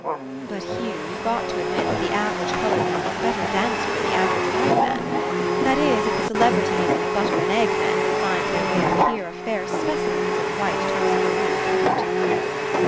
"But, Hugh, you've got to admit that the average coloured man is a better dancer than the average white man — that Is, If the celebrities and 'butter and egg' men who find their way up here are fair specimens of white Terpslchorean art."